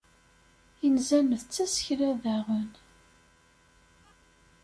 Inzan d tasekla daɣen.